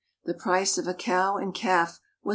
The price of a cow and calf was $6.